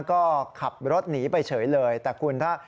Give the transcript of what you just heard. ก็ขับรถหนีไปเฉยเลยแต่คุณถ้า